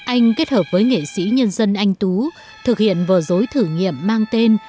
anh kết hợp với nghệ sĩ nhân dân anh tú thực hiện vở dối thử nghiệm mang tên